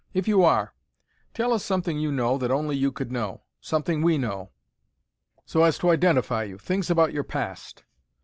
"If you are, tell us something you know that only you could know; something we know, so as to identify you. Things about your past."